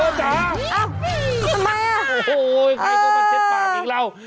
เอ้าทำไมอ่ะเออโอ้โฮใครก็มันเช็ดปากอีกแล้ว